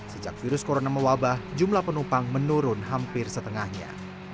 sejak virus corona mewabah jumlah penumpang menurun hampir setengahnya